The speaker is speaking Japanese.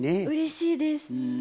うれしいです。